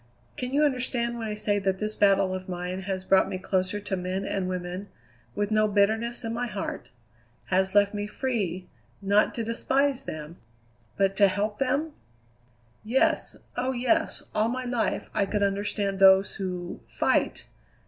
"Can you understand when I say that this battle of mine has brought me closer to men and women, with no bitterness in my heart; has left me free, not to despise them, but to help them?" "Yes, oh, yes; all my life I could understand those who fight.